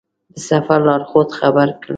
د سفر لارښود خبر کړو.